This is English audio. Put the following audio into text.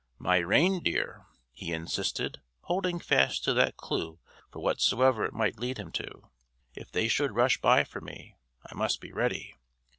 "My reindeer," he insisted, holding fast to that clew for whatsoever it might lead him to, "if they should rush by for me, I must be ready.